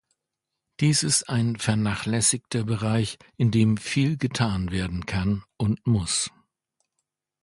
Dies ist ein vernachlässigter Bereich, in dem viel getan werden kann und muss.